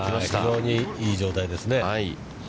非常にいい状態ですね。